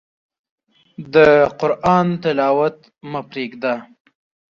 د قرآن تلاوت مه پرېږده.